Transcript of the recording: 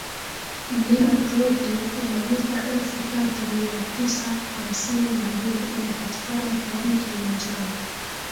Mlima Klute una mita elfu tatu mia tisa hamsini na mbili unapatikana mkoani Kilimanjaro